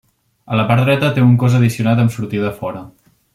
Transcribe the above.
A la part dreta té un cos addicionat amb sortida a fora.